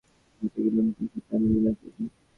আজ রাতে কিছু ক্লায়েন্টের সাথে আমি ডিনার করবো।